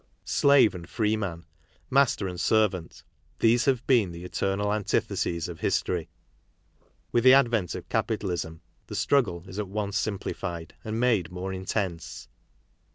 Slave and free man, master and ser vant, these have been the eternal antitheses of history. With the advent of capitalism the struggle is at once simplified, and made more intense.